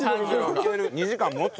２時間持つ？